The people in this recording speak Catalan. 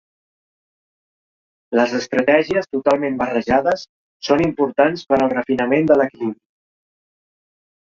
Les estratègies totalment barrejades són importants per al refinament de l'equilibri.